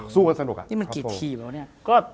สู้ก็สนุกอ่ะ